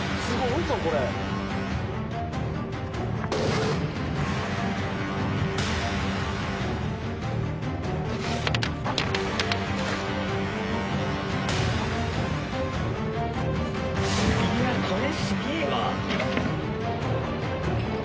いやこれすげえわ。